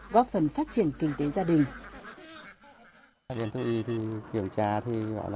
góp phần phát triển kinh tế gia đình